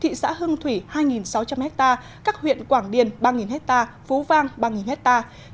thị xã hưng thủy hai sáu trăm linh hectare các huyện quảng điền ba hectare phú vang ba hectare